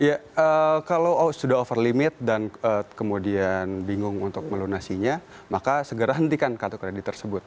ya kalau sudah over limit dan kemudian bingung untuk melunasinya maka segera hentikan kartu kredit tersebut